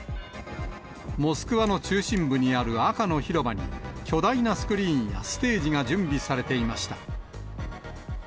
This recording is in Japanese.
モスクワの中心部にある赤の広場に、巨大なスクリーンやステージが準備されていました。